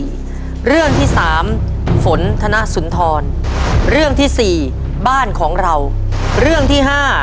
หลวงที่สามฝนธนสุนทรหลวงที่๔บ้านของเราหลวงที่๕